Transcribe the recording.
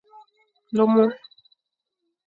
Lomo.